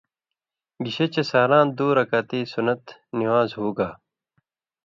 گِشے چے سَحراں دو رکاتی سنت نِوان٘ز ہُوگا۔